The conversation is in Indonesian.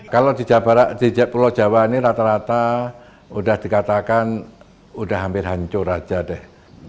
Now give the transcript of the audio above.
kalau di jawa barat di pulau jawa ini rata rata sudah dikatakan sudah hampir hancur saja deh